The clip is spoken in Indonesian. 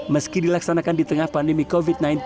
meski dilaksanakan di tengah pandemi covid sembilan belas